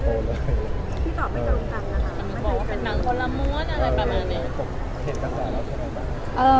ที่ตอบไม่ต้องตามนะคะมันบอกว่าเป็นหนังคนละมวดอะไรประมาณนี้